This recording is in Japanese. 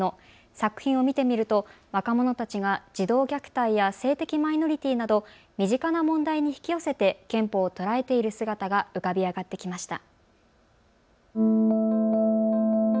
作品を見てみると若者たちが児童虐待や性的マイノリティーなど身近な問題に引き寄せて憲法を捉えている姿が浮かび上がってきました。